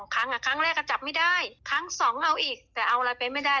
ครั้งครั้งแรกก็จับไม่ได้ครั้ง๒เอาอีกแต่เอาอะไรไปไม่ได้